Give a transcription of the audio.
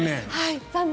残念。